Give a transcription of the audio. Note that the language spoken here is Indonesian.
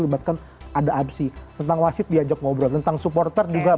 libatkan ada apsi tentang wasit diajak ngobrol tentang supporter juga